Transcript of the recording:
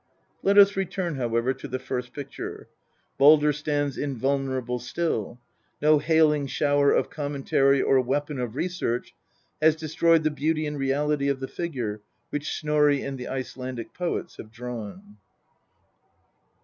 Let us return, however, to the first picture. Baldr stands invul nerable still. No hailing shower of commentary or weapon of research has destroyed the beauty and reality of the figure which Snorri and the Icelandic poets have drawn.